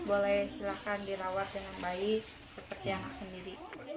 boleh silahkan dirawat dengan baik seperti anak sendiri